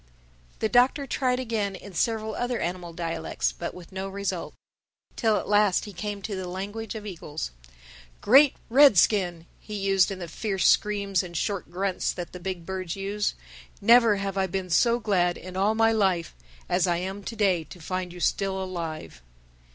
The Doctor tried again, in several other animal dialects. But with no result. Till at last he came to the language of eagles. "Great Red Skin," he said in the fierce screams and short grunts that the big birds use, "never have I been so glad in all my life as I am to day to find you still alive."